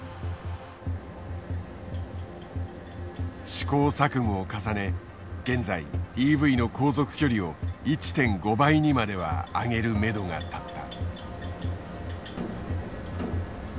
試行錯誤を重ね現在ＥＶの航続距離を１．５倍にまでは上げるめどが立った。